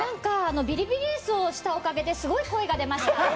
ビリビリ椅子をしたおかげですごい声が出ました。